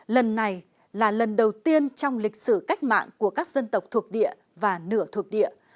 lần này là lần đầu tiên trong lịch sử cách mạng của các dân tộc thuộc địa và nửa thuộc địa